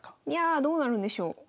いやどうなるんでしょう？